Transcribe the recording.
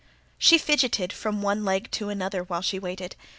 She fidgeted from one leg to another while she waited.